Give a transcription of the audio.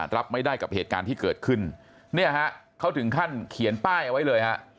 รับไม่ได้กับเหตุการณ์ที่เกิดขึ้นเนี่ยฮะเขาถึงขั้นเขียนป้ายเอาไว้เลยฮะ